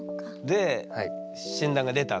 で診断が出たんだ。